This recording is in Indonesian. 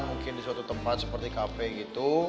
mungkin di suatu tempat seperti kafe gitu